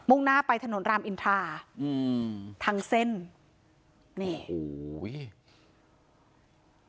่งหน้าไปถนนรามอินทราอืมทางเส้นนี่โอ้โห